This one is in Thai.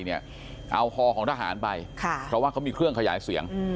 เอาฮอของทหารไปเพราะว่าเขามีเครื่องขยายเสียง